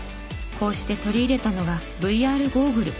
こうして取り入れたのがＶＲゴーグル。